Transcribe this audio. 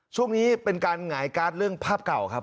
ช่วงนี้เป็นการหงายการ์ดเรื่องภาพเก่าครับ